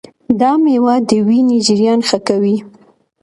دا مېوه د وینې جریان ښه کوي.